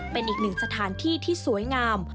เป็นอีกหนึ่งสถานที่ที่สวยงาม